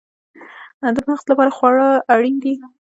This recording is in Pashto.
د مغز لپاره خواړه اړین دي